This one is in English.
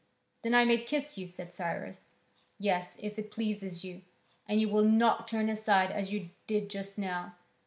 "Then I may kiss you?" said Cyrus. "Yes, if it pleases you. "And you will not turn aside as you did just now?"